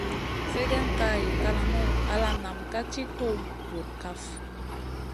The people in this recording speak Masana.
Sègèn ka hiy kalamou ala nam tì tuhu bur kaf.